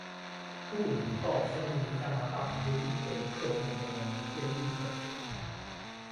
杜鲁道生于加拿大魁北克省的蒙特利尔市。